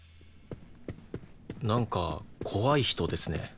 なんか怖い人ですね。